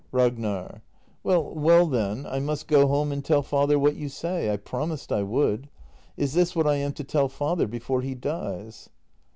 Ragnar. Well, well, then I must go home and tell father what you say — I promised I would. — I s this what I am to tell father — before he dies?